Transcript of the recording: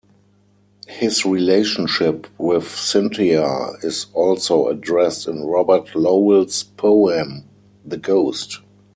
His relationship with Cynthia is also addressed in Robert Lowell's poem, The Ghost.